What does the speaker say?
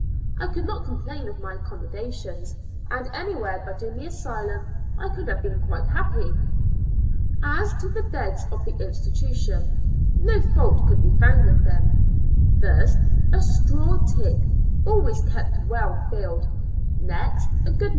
I could not complain of my accommodations, and anywhere but in an asylum, I could have been quite happy. As to the beds of the institution, no fault could be found with them. First, a straw tick, always kept well filled; next, a good Ili A L UNA TIG A STL UM.